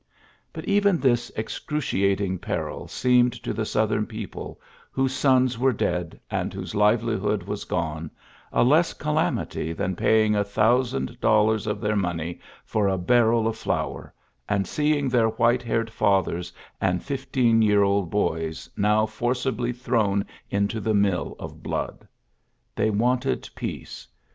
But even this excruciating peril seemed bo the Southern people, whose sons were dead and whose livelihood was gone, a less calamity than paying a thousand iollars of their money for a barrel of SouT; and seeing their white haired Garthers and fifteen year old boys now forcibly thrown into the mill of blood, rhey wanted peace.